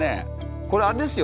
これあれですよ